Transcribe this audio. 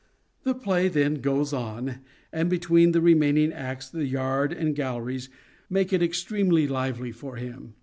The play then goes on, and between the remaining acts the yard and galleries make it extremely lively for him.